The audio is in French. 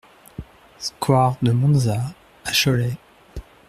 Square de Monza à Cholet